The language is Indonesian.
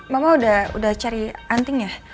mama udah cari anting ya